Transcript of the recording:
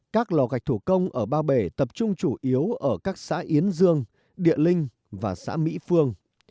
các lò gạch thủ công ở ba bể tập trung chủ yếu ở các xã yến dương địa linh và xã mỹ phương